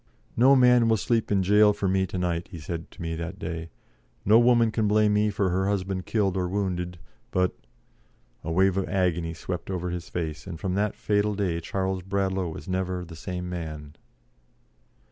"No man will sleep in gaol for me to night," he said to me that day; "no woman can blame me for her husband killed or wounded, but " A wave of agony swept over his face, and from that fatal day Charles Bradlaugh was never the same man.